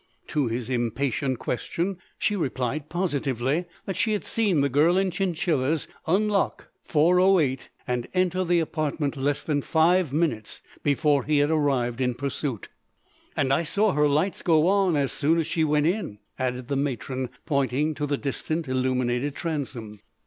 To his impatient question she replied positively that she had seen the girl in chinchillas unlock 408 and enter the apartment less than five minutes before he had arrived in pursuit. "And I saw her lights go on as soon as she went in," added the matron, pointing to the distant illuminated transom.